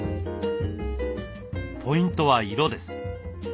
ポイントは色です。